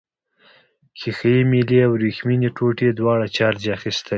ښيښه یي میلې او وریښمينې ټوټې دواړو چارج اخیستی.